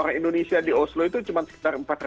orang indonesia di oslo itu cuma sekitar empat ratus an